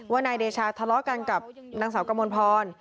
ว่านายเดชาทะเลาะกันกับนางเสาร์กำลังพร